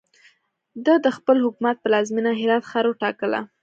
ده د خپل حکومت پلازمینه هرات ښار وټاکله.